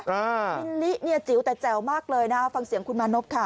มิลลิเนี่ยจิ๋วแต่แจ๋วมากเลยนะฟังเสียงคุณมานพค่ะ